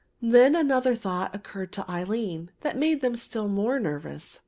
Then another thought occurred to Aline that made them still more nervous.